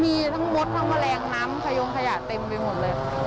มีทั้งมดทั้งแมลงน้ำขยงขยะเต็มไปหมดเลย